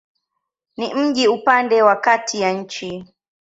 Ni mji upande wa kati ya nchi.